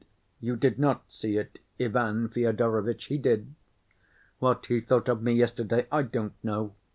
You did not see it, Ivan Fyodorovitch, he did. What he thought of me yesterday I don't know.